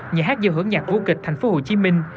nhà hát do hướng nhạc vũ kịch thành phố hồ chí minh